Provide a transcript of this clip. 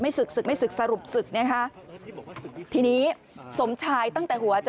ศึกศึกไม่ศึกสรุปศึกนะคะทีนี้สมชายตั้งแต่หัวจะ